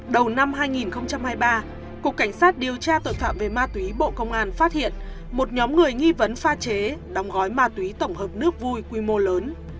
đầu năm hai nghìn hai mươi ba cục cảnh sát điều tra tội phạm về ma túy bộ công an phát hiện một nhóm người nghi vấn pha chế đóng gói ma túy tổng hợp nước vui quy mô lớn